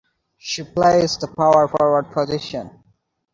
She plays the power forward position.